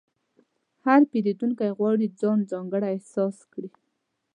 هر پیرودونکی غواړي ځان ځانګړی احساس کړي.